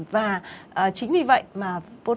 và chính vì vậy mà protein